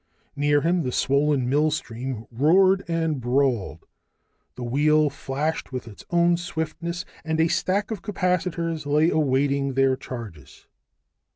Near him the swollen millstream roared and brawled, the wheel flashed with its own swiftness, and a stack of capacitors lay awaiting their charges.